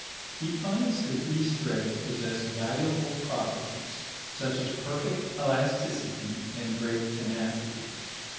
He finds that these threads possess valuable properties, such as perfect elasticity and great tenacity.